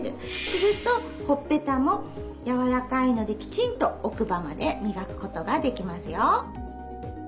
するとほっぺたもやわらかいのできちんと奥歯までみがくことができますよ。